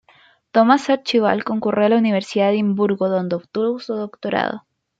Thomas Archibald concurrió a la Universidad de Edimburgo donde obtuvo su doctorado.